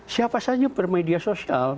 siapa saja bermedia sosial